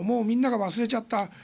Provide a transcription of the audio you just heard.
みんなが忘れちゃった。